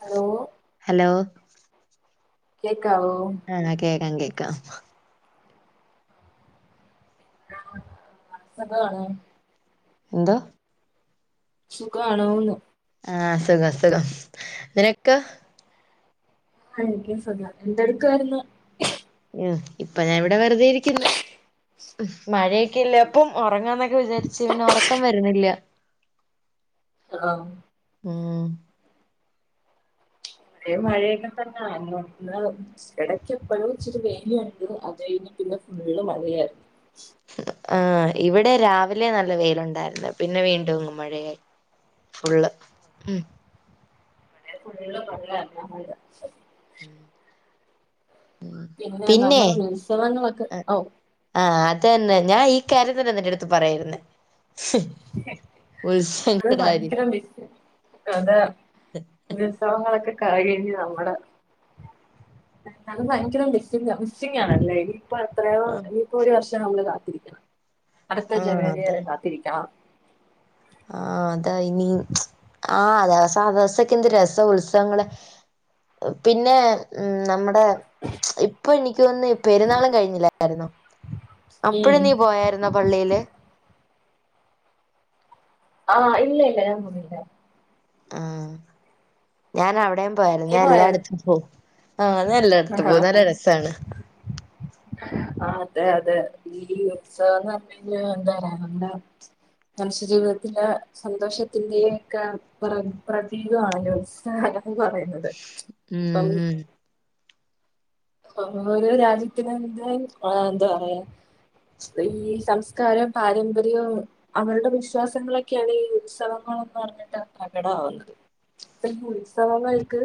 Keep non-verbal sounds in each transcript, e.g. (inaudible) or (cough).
Hello hello കേക്കാവോ ആ കേക്കാം കേക്കാം. അനക്ക് എന്താ പണി എന്താ? സുഖമാണോന്ന്. ആ സുഖം സുഖം നിനക്കൊ? ആ എനിക്കും സുഖം. എന്തൊടുക്കുവായിരുന്നു? ഇപ്പൊ ഞാൻ ഇവിടെ വെറുതെ ഇരിക്കുന്നു. മഴയൊക്കെഅല്ലേ അപ്പം ഉറങ്ങാന്നൊക്കെ വിചാരിച്ച് പിന്നെ ഉറക്കം വരുന്നില്ല. ആണോ? ഉം. ഇവിടേയും മഴയൊക്കെ തന്നാ. ഇടക്ക് എപ്പോഴും ഇച്ചിരി വെയിലുകണ്ടു. അത് കഴിഞ്ഞ് പിന്നെ ഫുള്ള് മഴയായിരുന്നു. ആ ഇവിടെ രാവിലെ നല്ല വെയിലുണ്ടായിരുന്നു. പിന്നെ വീണ്ടുംഅങ്ങ് മഴയായി. ഫുള്ള്. ഉം. ഇന്നലെ ഫുള്ള് മഴയായിരുന്നു. ഉം പിന്നെ നമ്മള് ഉത്സവങ്ങൾക്ക് ഓ അതു തന്നെ ഞാൻ ഈ കാര്യം തന്നെ നിന്റെ എടുത്ത് പറയാനിരുന്നേ. അത് ഭയങ്കര മിസ് അതാ ഉത്സവങ്ങളൊക്കെ കഴിഞ്ഞു നമ്മള് ഇപ്പൊ എത്രയോ ഇപ്പൊ ഒരു വർഷം നമ്മള് കാണും. അടുത്ത ആഹ് ജനുവരി വരെ കാത്തിരിക്കണം. ആ അതാ ഇനി ആ ദിവസൊ ദിവസൊക്കെ എന്ത് രസാ ഉത്സവങ്ങള് പിന്നെ മ് നമ്മു അ ഇപ്പൊ എനിക്ക് തോന്നുന്നേ പെരുന്നാളും കഴിഞ്ഞില്ലായിരുന്നോ? അപ്പഴും ഉം നീ പോയായിരുന്നോ പള്ളിയില് ആഹ് ഇല്ല ഇല്ല ഞാൻനിന്നില്ല ആ ഞാൻ അവിടേം പോയാരുന്നു, നീ ഞാൻ എല്ലായിടത്തും പോവും. ആഹ ഞാൻ എല്ലായിടത്തും പോവും. നല്ല രസാണ് ആ അതെ അതെ ഉം സന്ന് പറഞ്ഞങ്കില് എന്താ പറയാ നമ്മുടെ മനുഷ്യ ജീവിതത്തില സന്തോഷത്തിന്റെ ഒക്കെ പ്ര പ്രതീകമാണല്ലോ സന്ന് എന്ന് പറയുന്നത് ഉം ഇപ്പം ഉം ഓരോ രാജ്യത്തിനും എന്താ ആ എന്താ പറയാ സ്ത്രീ സംസ്കാരം പാരമ്പര്യവും അവര്ടെ വിശ്വാസങ്ങളൊക്കെയാണ് ഈ ഉത്സവങ്ങ ൾ പറഞ്ഞിട്ട പ്രകടമാവുന്നത് ഇപ്പൊ ഈ ഉത്സവങ്ങൾ ക്ക്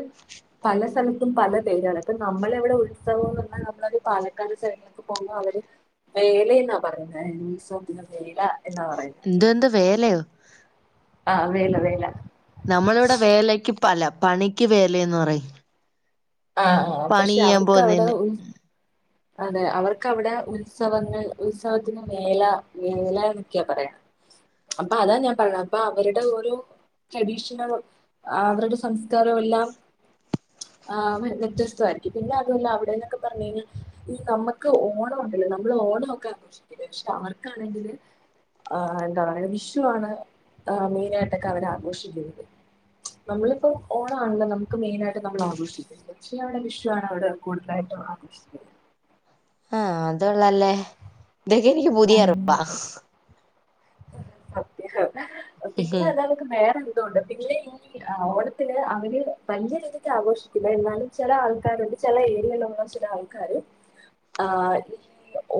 പല സ്ഥലത്തും പല പേരാണ് അപ്പ നമ്മളവിടെ ഉത്സവം പറഞ്ഞാൽ നമ്മള ഒരു പാലക്കാട് സൈഡിലൊക്കെ പോകുമ്പോൾ അവര് വേല എന്നാ പറയുന്നേ ഉത്സവവേല എന്ത് എന്ത് വേലയോ ആഹ് വേല വേല നമ്മളിവിടെ വേലക്ക് പല പണിക്ക് വേലയന്ന് പറയും ആഹ ആ പണി പക്ഷെ ചെയ്യാൻ അവർക്ക് അവിടെ പോവുന്നേന് ഉ അതെ അവർക്ക് അവിടെ ഉത്സവങ്ങൾ ഉത്സവത്തിന് വേല വേല എന്നൊക്കെയാ പറയാ അപ്പൊ അതാ ഞാൻ പറഞ്ഞ അപ്പൊ അവരുടെ ഓരോ ട്രഡീഷനൽ അവരുടെ സംസ്കാരവു എല്ലാം ആ് വ്യത്യസ്തമായിയിരിക്കും പിന്നെ വ്യത്യസ്തായിരിക്കും അതുമല്ല അവിടെന്നൊക്കെ പറഞ്ഞു കഴിഞ്ഞാൽ ഈ നമുക്ക് ഓണംമുണ്ടല്ലോ നമ്മൾ ഓണ ഒക്കെ ആഘോഷിക്കില്ലേ പക്ഷെ അവർക്കാണെങ്കില് ആ എന്താ പറയ വിഷുവാണ് മെയിനായിട്ടൊക്കെ അവരാഘോഷിക്കുന്നത് നമ്മളിപ്പോ ഓണം ആണല്ലോ നമുക്ക് മെയിനായിട്ട് നമ്മൾ ആഘോഷി ക്കാ അവിടെ വിഷുാണ് അവിടെ കൂടുതലായിട്ടും ആഘർഷുന്നത് ആഹ അതള്ളല്ലേ ഇതൊക്കെ എനിക്ക് പുതിയ അറിവാ അത്യാ പിന്നെ ആഹ് അതക്കെ വേറെ ണ്ട് പിന്നെ ഓണത്തിന്, അവര് പഞ്ചരധക്ക് ആഘോഷിക്കുന്നെ അല്ലാണ്ട് ചെല ആൾക്കാരുണ്ട് ചില ഏരിയളുള്ള ചില ആൾക്കാാര് ആ് ഈ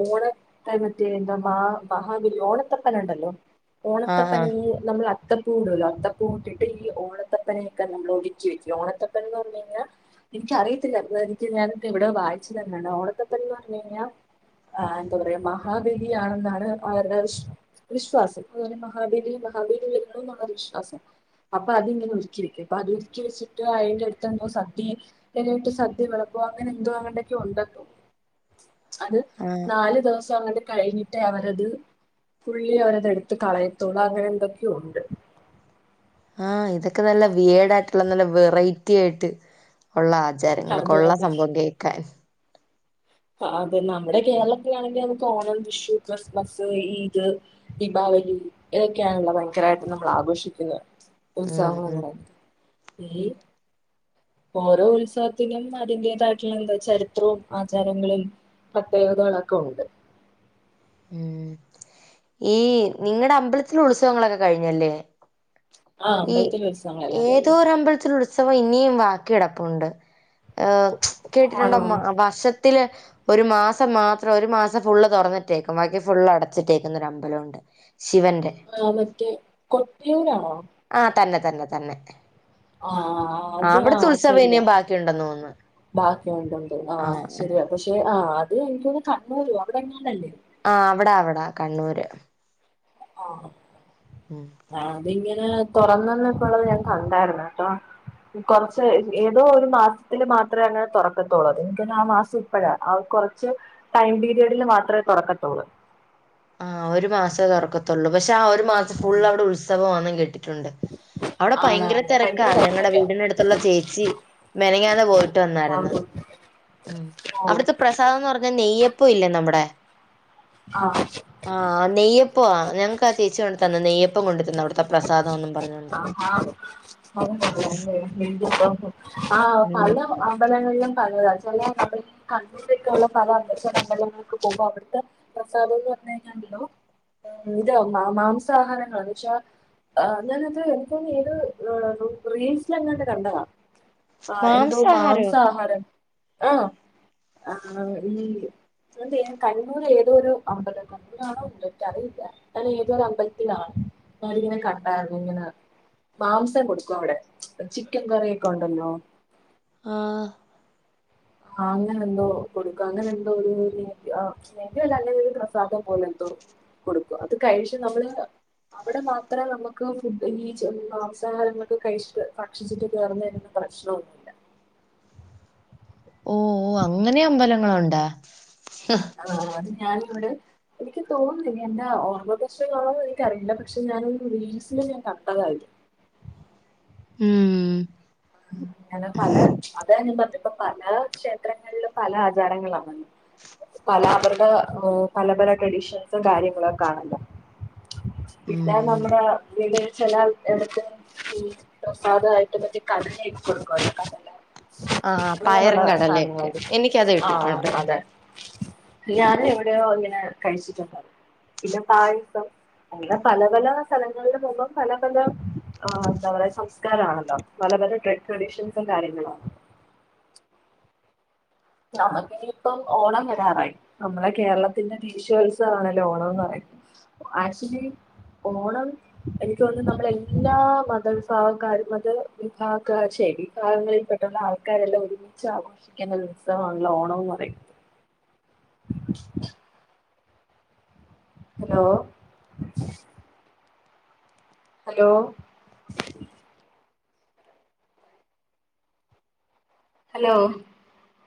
ഓണത്തെ മറ്റേ എന്താ മഹാവേലി ഓണത്തെ പ്പനെണ്ടല്ലോ ആഹ് ഓണത്തെപ്പനെ നമ്മൾ അത്തപ്പൂടല്ലോ അത്തപ്പൂ ഇട്ടിട്ട് ഈ അത്തപൂവിടുല്ലോ ഓണത്തപ്പനയൊക്കെ നമ്മൾ ഒടിക്കി വെക്കും ഓണത്തപ്പന എന്ന് പറഞ്ഞു കഴിഞ്ഞാൽ എനിക്കറിയത്തില്ല എനിക്ക് ഞാനിത് എവിടെയ വായിച്ചു തന്നെയണ്ട് ഓണത്തെപ്പന് പറഞ്ഞു കഴിഞ്ഞാൽ ആ എന്താ പറയാ മഹാബലി ആണെന്നാണ് അവരുടെ വിശ്വാസം വിശ്വാസം അതുപോലെ മഹാബലി, മഹാബലി വരുന്നു എന്നുള്ള വിശ്വാസം അപ്പൊ അതിങ്ങനെ ഒരുക്കിവെക്കും. അപ്പൊ അതൊരുക്കി വെച്ചിട്ട് അയിന്റെ അടുത്ത്ന്നെ സദ്യും ഇലയിട്ട് സദ്യയും വിള ബാ അങ്ങനെ എന്തോ എങ്ങണ്ടൊക്കെയ ഉണ്ടന്ന് തോന്നുന്നു അത് ആഹ് നാലു ദിവസം അങ്ങട്ട് കഴിഞ്ഞിട്ടേ അവരത് പുള്ളി അവരതടുത്ത് കളയത്തോുള്ള അങ്ങനെ എന്തൊക്കെയുണ്ട് ആഹ ഇതൊക്കെ നല്ല വിയേടായിട്ടുള്ള നല്ല വെറൈറ്റി ആയിട്ട് ഉള്ള അതെ ആചാരങ്ങളൾക്കൊള്ള സംഭവം കേൾക്കാൻ അതെ നമ്മുടെ കേരളത്തിലാണെങ്കിൽ അതൊ ക്കെ ഓണം വിഷു ക്രിസ്മസ് ഈദ് ദീപാവലി ഇതൊക്കെയാണല്ല ഭയങ്കരമായിട്ട് നമ്മൾ ആഘോഷിക്കുന്ന ഉം ഉത്സവങ്ങൾ എന്ന് ഉം പറയുന്നത് ഈ ഓരോ ഉത്സവത്തിലനും അതിന്റതായിട്ടുള്ള എന്താ ചരിത്രവും ആ ചാരങ്ങളിൽ പ്രത്യേകതകളൊക്കെ ഉണ്ട് ഉം ഈ നിങ്ങടെ അമ്പലത്തിൽ ഉത്സവങ്ങളൊക്കെ കഴിഞ്ഞല്ലേ ആ ഈ അമ്പലത്തിലെ ഉത്സവങ്ങളെല്ലാം ഏതോ കഴിഞ്ഞു ഒരുരമ്പലത്തിൽ ഉ ത്സവം ഇനിയും വാക്കി കിടപ്പുണ്ട് കേട്ടിട്ടുണ്ടോ ആണോ മ വർഷത്തില് ഒരു മാസം മാത്രം ഒരു മാസം ഫുള്ള് തുറന്നിട്ടേക്കും ബാക്കി ഫുള്ള് അടച്ചിട്ടേക്കുന്നൊ ഒരു അമ്പലം ഒണ്ട്? ആ മറ്റേ കൊട്ടിയൂരാണോ? ആ തന്നെ തന്നെ തന്നെ ആ ആ അവിടത്തെ ഉത്സവം ഇനിയും ബാക്കി ഇണ്ടെന്നു തോന്നുന്നു? ബാക്കി ഉണ്ടെണ്ട് ആഹ ആഹ് ആഹ് ശരിയാ പക്ഷെ ആ അത് എനിക്ക തോന്നുന്നു കണ്ണൂര് അവിടെ എങ്ങാണ്ടല്ലേ? ആ അവിടാ അവിടാ കണ്ണൂര്? ആ, ഉം അതിങ്ങനെ തുറന്നന്നക്കു ഉള്ളത് ഞാൻ കണ്ടായിരുന്നു കേട്ടോ? കൊറച്ച് ഏതോ ഒരു മാസത്തില് മാത്രമാണ് അങ്ങനെ തുറക്കത്തുള്ളത് പിന്നെ ആ മാസം ഇപ്പഴാ കൊറച്ച് ടൈം പീരിയഡിൽ മാത്രമേ തൊറക്കത്തൊള്ളൂ ആ ഒരു മാസേ തൊറക്കത്തൊള്ളൂ പക്ഷെ ആ ഒരു മാസം ഫുൾ ഉം. അവിടെ ഉത്സവം വാന്നു എന്നും കേട്ടിട്ടുണ്ട് അവിടെ ഭയങ്കര ആണാണ് തിരക്കാ ഭയങ്കര ഞങ്ങളടെ തിരക്കൊക്കെയാ വീടിന അടുത്തുള്ള ചേച്ചി മിനിഞ്ഞാന്ന് പോയിട്ട് ആ, വന്നായിരുന്നു മ് ഓ അവിടുത്തെ പ്രസാദം എന്ന് പറഞ്ഞാല് നെയ്യപ്പം ഇല്ലേ നമ്മുടെ ആ തന്നെ നെയ്യപ്പം കൊണ്ടേ തന്നു അവിടുത്തെ പ്രസാദതൊന്നു ആഹാ (unintelligible) ആ ഉം പല അമ്പലങ്ങളിലും. (unintelligible) പ്രസാദം ന്ന് പ ഹലോ (unintelligible) മാംസാഹാരങ്ങള് എന്നുവെച്ചാൽ ആ ഞാനത് ഏതോ തോന്നുന്നു ഇത് റീൽസിൽ എങ്ങാണ്ട് കണ്ടതാ ആ എന്തോ മാംസാഹാരോ മാംസാഹാരം ആ (unintelligible) അതെ കണ്ണൂര് ഏതൊരു അമ്പലം. കണ്ണൂര് ആണോന്ന് എനിക്ക് അറിയില്ല. അങ്ങനെ ഏതൊരു അമ്പലത്തിലാണ്. (unintelligible) (unintelligible) ഇങ്ങനെ മാംസം കൊടുക്കുവോ അവിടെ ചിക്കൻ കറിയൊക്കെ ഉണ്ടല്ലോ ആ ആ അങ്ങനെന്തോ കൊടുക്ക അങ്ങനെ എന്തോ ഒരു (unintelligible) പ്രസാദം പോലെ എന്തോ കൊടുക്കും അത് കഴിച്ച് നമ്മള് അവിടെ മാത്ര നമുക്ക് ഫുഡ് (unintelligible) ഈ മാംസാഹാരങ്ങളൊക്കെ കഴിച്ചിട്ട് ഭക്ഷിച്ചിട്ട് കേറുന്നെന്ന് പ്രശ്നൊന്നുല്ല ഓ ഓ അങ്ങനെ അമ്പലങ്ങളണ്ടാ? ആ അത് ഞാനും എവിടെ? എനിക്ക് തോന്നുന്നില്ല എന്റെ ഓർമ്മ പേശക്കാണോ എന്നൊന്നും. എനിക്ക് അറിയില്ല. പക്ഷെ ഞാനൊരു റീൽസില് (unintelligible) മ് ഉം ഞാനെ പല അത ഞാന് പറഞേ ഇപ്പ പല ക്ഷേത്രങ്ങളിലും പല ആചാരങ്ങള് ആണ് പല അവര്ടെ പല പല ട്രഡീഷൻസ് കാര്യങ്ങളൊക്കെ ആണല്ലോ ഉം പിന്നെ നമ്മുടെ (unintelligible) ചെല എടത്ത് പ്രസാദായിട്ട്. (unintelligible) ആഹ് ഇങ്ങനൊള്ള പയറും കടലയൊക്കെ സാധനങ്ങളുണ്ട് എനിക്കത് ആ ആ കിട്ടിട്ടുണ്ട് അതെ. ഞാൻ എവിടെയോ ഇങ്ങനെ കഴിച്ചിട്ടുണ്ട്. പിന്നെ പായസം അങ്ങനെ പല പല സ്ഥലങ്ങളിലും പൊകുമ്പോൾ പല പല ആ എന്താ പറയാ സംസ്കാരണല്ലോ പല പല ട്രഗടീഷൻസും കാര്യങ്ങള നമക്ക് ഇനിയിപ്പം ഓണം വരാറായി നമ്മടെ കേരളത്തിന്റെ ദേശിഉത്സവണല്ലോ ഓണം എന്ന്എന്ന് പറയുന്നത്. ആക്ച്ചലി ഓണം എനിക്കു തോന്നുന്നു. നമ്മള് എല്ലാ മതവിഭാഗക്കാരും മത വിഭാഗക്കാരും ഛെ ചെല ഭാഗങ്ങളിൽ പെടുന്ന ആൾക്കാരെല്ലാം ഒരുമിച്ച് ആഘോഷിക്കുന്നൊരു ഇബടെ നാട്ടില് ഓണോവുന്ന് പറിം ഹലോ അലോ ഹലോ